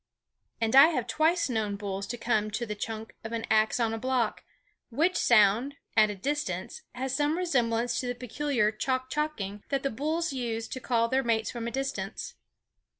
And I have twice known bulls to come to the chuck of an ax on a block; which sound, at a distance, has some resemblance to the peculiar chock chocking that the bulls use to call their mates from a distance.